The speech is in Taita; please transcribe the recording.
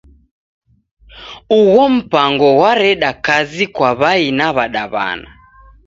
Ugho mpango ghwareda kazi kwa w'ai na w'adaw'ana.